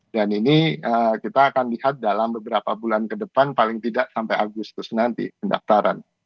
dan ini kita akan lihat dalam beberapa bulan ke depan paling tidak sampai agustus nanti pendaftaran